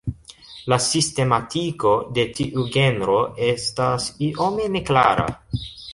La sistematiko de tiu genro estas iome neklara.